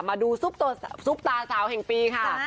มาดูซุปตาสาวแห่งปีค่ะ